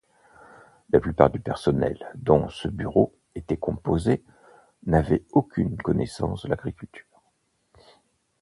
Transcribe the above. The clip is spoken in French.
La plupart du personnel dont ce bureau était composé n'avait aucune connaissance de l'agriculture.